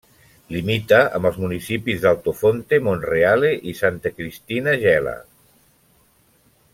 Limita amb els municipis d'Altofonte, Monreale i Santa Cristina Gela.